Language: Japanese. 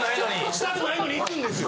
したくないのに行くんですよ。